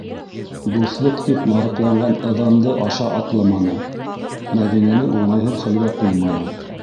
«Дуҫлыҡ» тип нарыҡланған ыҙанды аша атламаны, Мәҙинәне уңайһыҙ хәлгә ҡуйманы.